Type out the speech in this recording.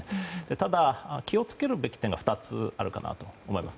ただ、気を付けるべき点が２つあるかなと思います。